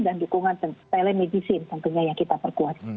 dan dukungan telemedicine tentunya yang kita perkuat